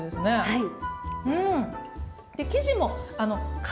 はい。